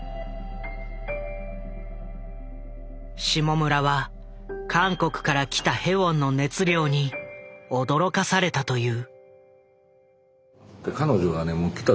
下村は韓国から来たヘウォンの熱量に驚かされたという。